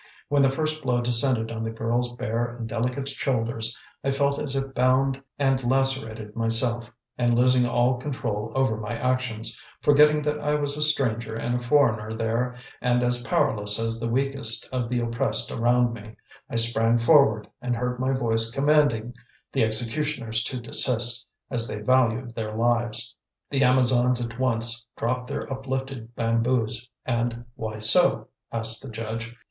When the first blow descended on the girl's bare and delicate shoulders, I felt as if bound and lacerated myself, and losing all control over my actions, forgetting that I was a stranger and a foreigner there, and as powerless as the weakest of the oppressed around me, I sprang forward, and heard my voice commanding the executioners to desist, as they valued their lives. The Amazons at once dropped their uplifted bamboos, and "Why so?" asked the judge.